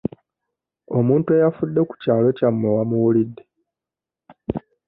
Omuntu eyafudde ku kyalo kyammwe wamuwulidde?